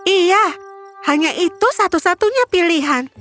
iya hanya itu satu satunya pilihan